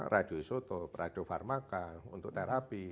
radiosotop radiofarmaka untuk terapi